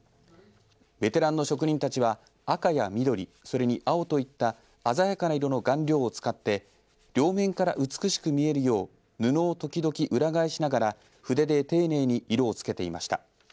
ベテランの職人たちは赤や緑それに青といった鮮やかな色の顔料を使って両面から美しく見えるよう布を時々裏返しながら筆で丁寧に色をつけていました。